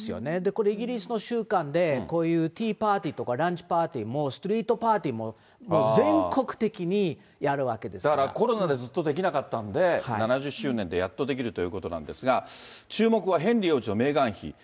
これ、イギリスの習慣で、こういうティーパーティーとか、ランチパーティーもストリートパーティーも、全国的にやるわけでだから、コロナでずっとできなかったんで、７０周年でやっとできるということなんですが、注目はヘンリー王子とメーガン妃。